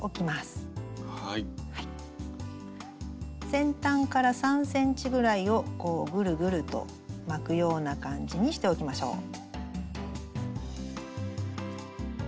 先端から３ｃｍぐらいをこうぐるぐると巻くような感じにしておきましょう。